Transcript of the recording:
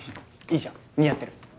いいじゃん似合ってる。